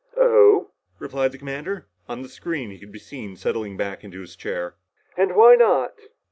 "Oh?" replied the commander. On the screen he could be seen settling back in his chair. "And why not?"